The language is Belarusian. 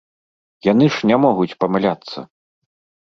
Яны ж не могуць памыляцца!